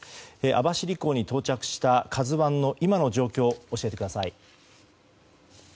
網走港に到着した「ＫＡＺＵ１」の今の状況を教えてください。